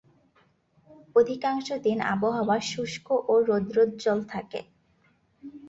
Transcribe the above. অধিকাংশ দিন আবহাওয়া শুষ্ক ও রৌদ্রোজ্জ্বল থাকে।